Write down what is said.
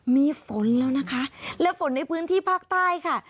มีฝนแล้วนะคะและฝนในพื้นที่ภาคใต้ค่ะ